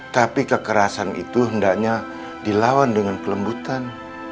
tapi kekerasan itu hendaknya dilawan dengan kelembutan